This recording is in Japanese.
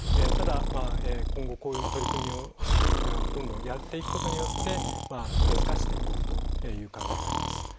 ただ今後こういう取り組みをどんどんやっていくことによって根づかせていこうという考えがあります。